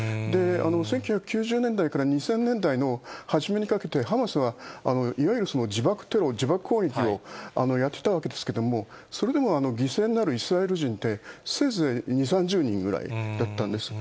１９９０年代から２０００年代の初めにかけて、ハマスはいわゆる自爆テロ、自爆攻撃をやっていたわけですけれども、それでも犠牲になるイスラエル人ってせいぜい２、３０人ぐらいだったんです。